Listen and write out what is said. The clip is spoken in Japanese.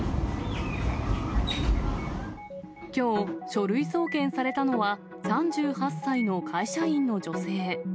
きょう、書類送検されたのは、３８歳の会社員の女性。